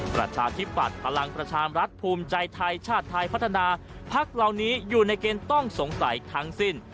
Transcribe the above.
ประชาธิปัตย์พลังประชามรัฐภูมิใจไทยชาติไทยพัฒนาพักเหล่านี้อยู่ในเกณฑ์ต้องสงสัยทั้งสิ้น